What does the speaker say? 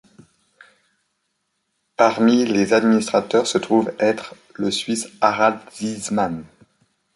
Parmi les administrateurs se trouve être le Suisse Harald Szeemann.